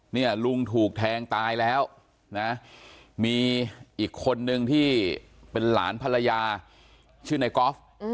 เนี่ยลุงถูกแทงตายแล้วนะมีอีกคนนึงที่เป็นหลานภรรยาชื่อในกอล์ฟ